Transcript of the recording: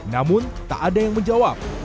namun tak ada yang menjawab